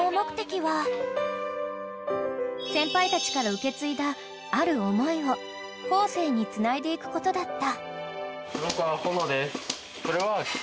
［先輩たちから受け継いだある思いを後世につないでいくことだった］